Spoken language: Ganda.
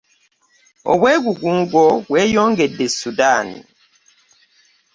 Obwegugungo bweyongedde e Sudan.